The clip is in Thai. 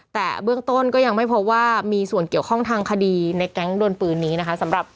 แต่เบื้องต้นก็ยังไม่พบว่ามีส่วนเกี่ยวข้องทางคดีในแก๊งโดนปืนนี้นะคะสำหรับ